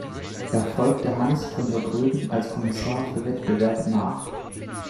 Er folgte Hans von der Groeben als Kommissar für Wettbewerb nach.